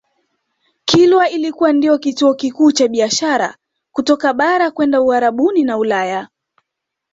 Kilwa ilikuwa ndiyo kituo kikuu cha biashara kutoka bara kwenda Uarabuni na Ulaya